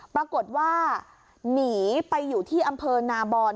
ปรากฏว่าหนีไปอยู่ที่อำเภอนาบอน